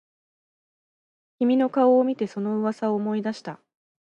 君の顔を見てその噂を思い出した